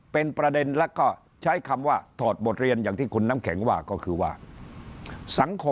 เป็นประเด็นแล้วก็ใช้คำว่าถอดบทเรียนอย่างที่คุณน้ำแข็งว่าก็คือว่าสังคม